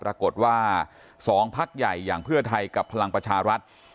ปรากฏว่า๒พักใหญ่อย่างเพื่อไทยกับพลังประชารัฐ